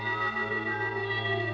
cepatlah datang henry